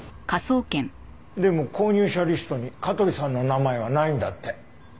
でも購入者リストに香取さんの名前はないんだって。